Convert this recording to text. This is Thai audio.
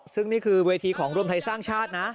ซึ่งนี่คือเวทีของรวมไทยสร้างชาตินะ